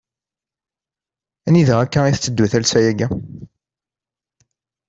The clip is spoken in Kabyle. Anida akka i tetteddu talsa-agi.?